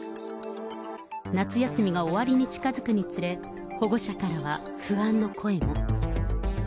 夏休みが終わりに近づくにつれ、保護者からは不安の声も。